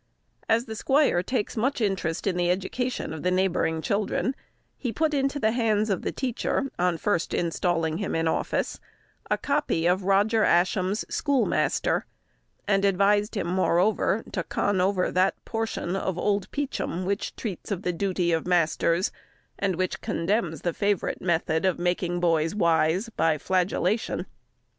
As the squire takes much interest in the education of the neighbouring children, he put into the hands of the teacher, on first installing him in office, a copy of Roger Ascham's Schoolmaster, and advised him, moreover, to con over that portion of old Peachum which treats of the duty of masters, and which condemns the favourite method of making boys wise by flagellation.